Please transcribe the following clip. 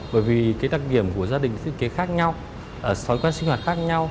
bởi vì cái đặc điểm của gia đình thiết kế khác nhau thói quan sinh hoạt khác nhau